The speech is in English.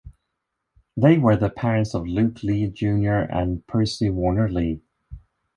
They were the parents of Luke Lea Junior and Percy Warner Lea.